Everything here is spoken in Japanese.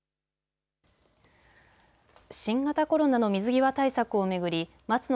新型コロナの水際対策を巡り松野